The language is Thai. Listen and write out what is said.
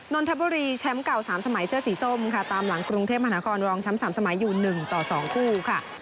นนทบุรีแชมป์เก่า๓สมัยเสื้อสีส้มค่ะตามหลังกรุงเทพมหานครรองแชมป์๓สมัยอยู่๑ต่อ๒คู่ค่ะ